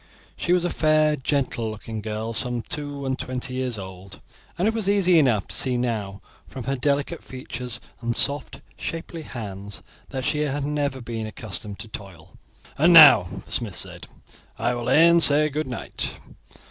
She was a fair, gentle looking girl some two and twenty years old, and it was easy enough to see now from her delicate features and soft shapely hands that she had never been accustomed to toil. "And now," the smith said, "I will e'en say good night.